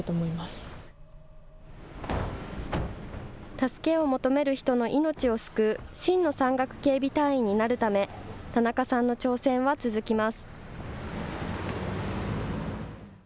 助けを求める人の命を救う、真の山岳警備隊員になるため、田中さんの挑戦は続きます。